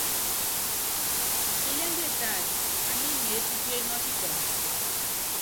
Ilémbie taata, ani imeépípíene ɔ́kitɔŋɔ.